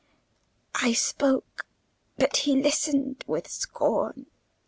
I spoke, but he listened with scorn.